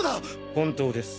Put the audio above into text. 本当です。